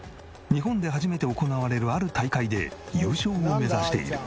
日本で初めて行われるある大会で優勝を目指している。